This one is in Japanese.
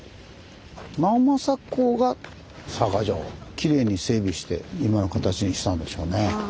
直正公が佐賀城をきれいに整備して今の形にしたんでしょうね。